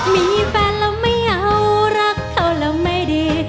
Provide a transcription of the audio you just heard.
มีแฟนเราไม่เอารักเขาเราไม่ดี